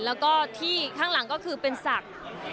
แล้วก็ที่ข้างหลังก็คือเป็นศักดิ์